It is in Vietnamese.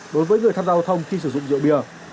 đối với người tham gia giao thông khi sử dụng rượu bia